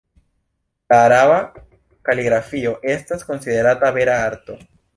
La araba kaligrafio estas konsiderata vera arto.